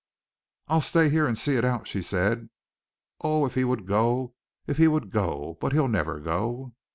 "I'll stay here and see it out," she said. "Oh, if he would go, if he would go! But he'll never go."